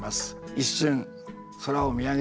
一瞬空を見上げた。